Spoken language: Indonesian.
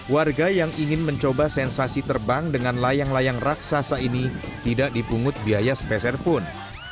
warga yang ingin mencoba sensasi terbang dengan layang layang raksasa ini tidak dipungut biaya spesial pun